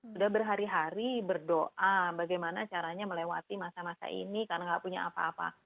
sudah berhari hari berdoa bagaimana caranya melewati masa masa ini karena nggak punya apa apa